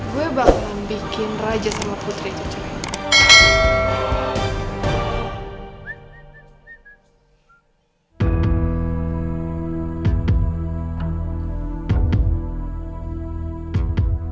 gue bangun bikin raja sama putri itu